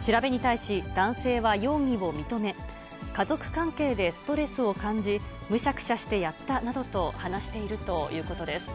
調べに対し、男性は容疑を認め、家族関係でストレスを感じ、むしゃくしゃしてやったなどと話しているということです。